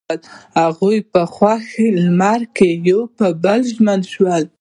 هغوی په خوښ لمر کې پر بل باندې ژمن شول.